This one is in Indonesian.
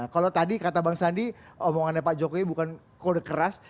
kalau tadi kata bang sandi omongannya pak jokowi bukan kode keras